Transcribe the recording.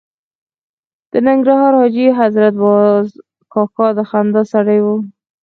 د ننګرهار حاجي حضرت باز کاکا د خندا سړی و.